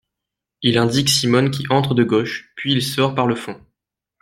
Il indique Simone qui entre de gauche, puis il sort par le fond.